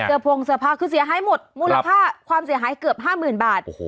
พงเสื้อผ้าคือเสียหายหมดมูลค่าความเสียหายเกือบ๕๐๐๐บาท